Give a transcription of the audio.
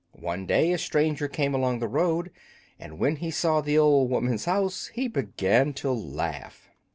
One day a stranger came along the road, and when he saw the old woman's house he began to laugh.